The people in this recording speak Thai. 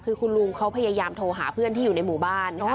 คือคุณลุงเขาพยายามโทรหาเพื่อนที่อยู่ในหมู่บ้าน